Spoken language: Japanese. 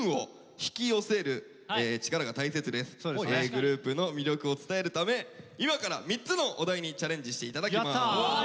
ｇｒｏｕｐの魅力を伝えるため今から３つのお題にチャレンジして頂きます。